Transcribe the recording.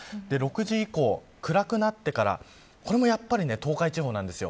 ６時以降、暗くなってからこれもやっぱり東海地方です。